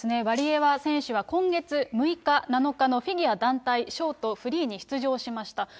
ワリエワ選手は今月６日、７日のフィギュア団体ショート、フリーに出場しました。